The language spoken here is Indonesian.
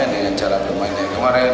dengan cara pemainnya kemarin